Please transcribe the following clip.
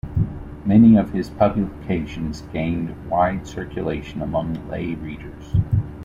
Many of his publications gained wide circulation among lay readers.